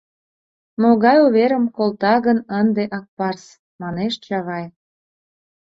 — Могай уверым колта гын ынде Акпарс? — манеш Чавай.